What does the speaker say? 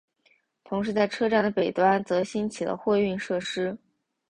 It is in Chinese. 同时在车站的北端则兴起了货运设施。